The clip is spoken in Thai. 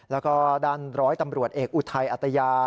แล้วก็ด้านร้อยตำรวจเอกอุทัยอัตยา